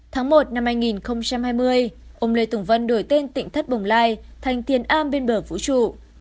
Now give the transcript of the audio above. tháng một năm hai nghìn hai mươi ông lê tùng vân đổi tên tỉnh thất bồng lai thành tiền am bên bờ vũ trụ